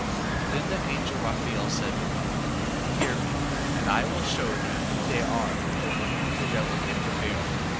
Then the angel Raphael said to him: Hear me, and I will shew thee who they are, over whom the devil can prevail.